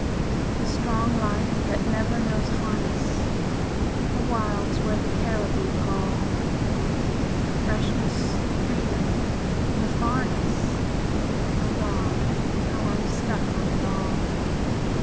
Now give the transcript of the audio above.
The strong life that never knows harness; The wilds where the caribou call; The freshness, the freedom, the farness O God! how I'm stuck on it all.